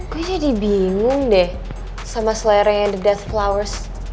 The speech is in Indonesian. gue jadi bingung deh sama seleranya the death flowers